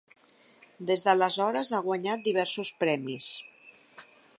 Des d'aleshores, ha guanyat diversos premis.